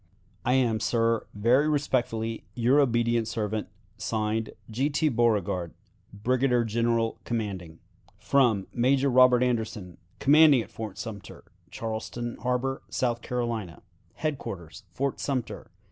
"I am, sir, very respectfully, your obedient servant, (Signed) "G. T. Beauregard, "Brigadier General commanding. "Major Robert Anderson, "Commanding at Fort Sumter, Charleston Harbor, S. C." "Headquarters Fort Sumter, S.